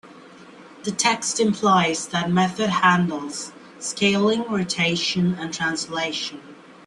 The text implies that method handles scaling, rotation, and translation.